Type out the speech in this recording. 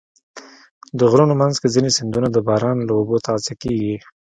د غرونو منځ کې ځینې سیندونه د باران له اوبو تغذیه کېږي.